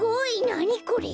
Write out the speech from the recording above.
なにこれ？